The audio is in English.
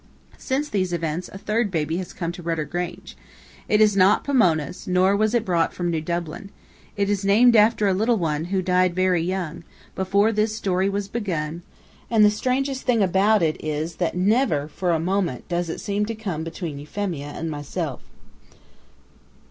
Since these events, a third baby has come to Rudder Grange. It is not Pomona's, nor was it brought from New Dublin. It is named after a little one, who died very young, before this story was begun, and the strangest thing about it is that never, for a moment, does it seem to come between Euphemia and myself.